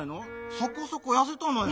「そこそこやせた」のよ。